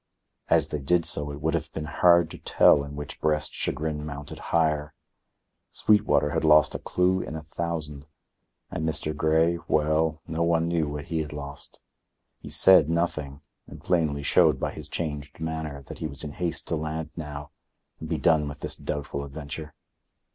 As they did so it would have been hard to tell in which breast chagrin mounted higher. Sweetwater had lost a clue in a thousand, and Mr. Grey—well, no one knew what he had lost. He said nothing and plainly showed by his changed manner that he was in haste to land now and be done with this doubtful adventure.